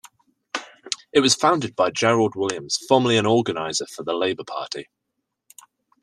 It was founded by Gerald Williams, formerly an organiser for the Labour Party.